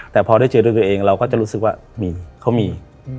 แต่พอได้เจอด้วยตัวเองเราก็จะรู้สึกว่ามีเขามี